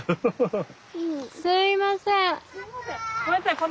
すいません。